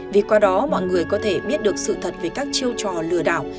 vì qua đó mọi người có thể biết được sự thật về các chiêu trò lừa đảo